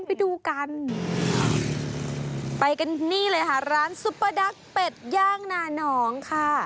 ไปดูกันไปกันนี่เลยค่ะร้านซุปเปอร์ดักเป็ดย่างนานองค่ะ